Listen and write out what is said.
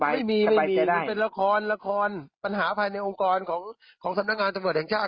ไม่มีไม่มีเป็นละครละครปัญหาภายในองค์กรของสำนักงานตำรวจแห่งชาติ